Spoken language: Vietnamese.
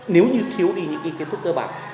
nếu như thiếu đi những cái kiến thức cơ bản